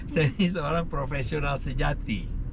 saya ini seorang profesional sejati